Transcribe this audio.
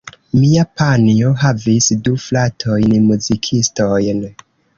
Mia panjo havis du fratojn muzikistojn.